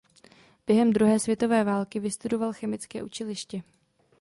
Během druhé světové války vystudoval chemické učiliště.